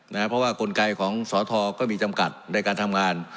เพราะว่ากลไกของสทก็มีจำกัดในการทำงาน